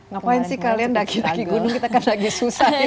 ngapain sih kalian daki daki gunung kita kan lagi susah ya